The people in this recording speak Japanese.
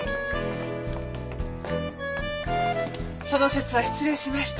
その節は失礼しました。